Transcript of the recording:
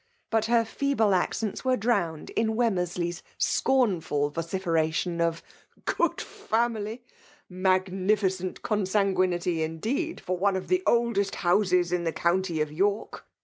But her feeble accents were drowned in Wemmorsley s scornful vociferation of " Good family !— Mag PKMAIJS DOMINATIOK. IfiS nifioent consanguinity indeed, for one of tiie oldest Houses in the county of York